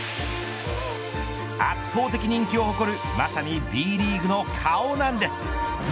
圧倒的人気を誇るまさにＢリーグの顔なんです。